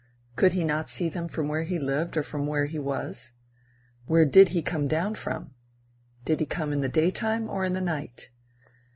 Could he not see them from where he lived or from where he was? Where did he come down from? Did he come in the daytime, or in the night?